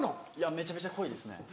めちゃめちゃ濃いですね。